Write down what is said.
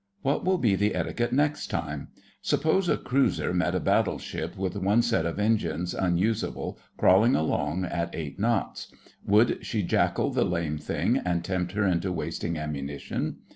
What will be the etiquette next time? Suppose a cruiser met a battleship with one set of engines unusable crawling along at eight knots. Would she jackal the lame thing and tempt her into wasting ammunition?